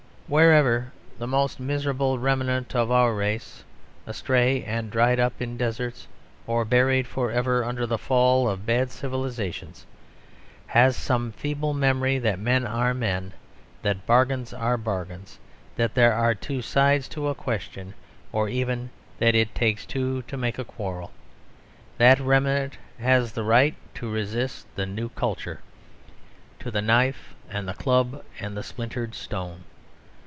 Wherever the most miserable remnant of our race, astray and dried up in deserts, or buried forever under the fall of bad civilisations, has some feeble memory that men are men, that bargains are bargains, that there are two sides to a question, or even that it takes two to make a quarrel that remnant has the right to resist the New Culture, to the knife and club and the splintered stone.